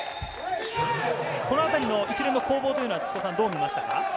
このあたりの一連での攻防はどう見ましたか？